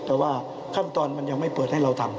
แต่ว่าขั้นตอนมันยังไม่เปิดให้เราทำ